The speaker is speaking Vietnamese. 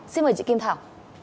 xin mời chị kim thảo